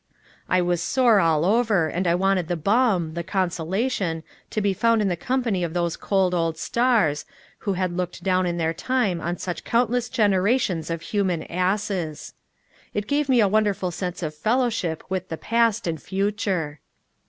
I was sore all over, and I wanted the balm the consolation to be found in the company of those cold old stars, who had looked down in their time on such countless generations of human asses. It gave me a wonderful sense of fellowship with the past and future.